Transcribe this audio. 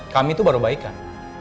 kami tuh baru baikan